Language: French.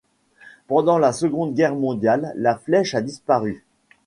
Pendant la Seconde Guerre mondiale, la flèche a disparu.